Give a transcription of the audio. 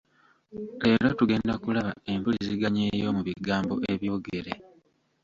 Leero tugenda kulaba empuliziganya ey'omu bigambo ebyogere.